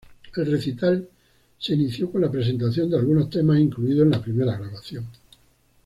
El recital inició con la presentación de algunos temas incluidos en la primera grabación.